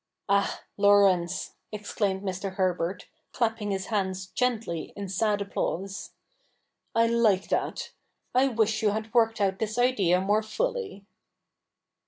*Ah, Laurence." exclaimed Mr. Herbert, clapping his hands gently in sad applause, ' I like that. I wish you had worked out this idea more fully.'